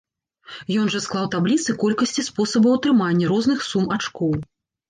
Ён жа склаў табліцы колькасці спосабаў атрымання розных сум ачкоў.